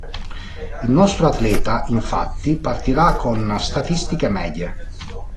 Il nostro atleta, infatti, partirà con statistiche medie.